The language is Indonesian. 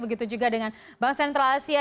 begitu juga dengan bank sentral asia